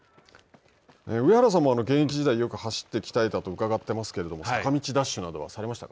上原さんも現役時代よく走って鍛えたと伺ってますけれども、坂道ダッシュなどはされましたか。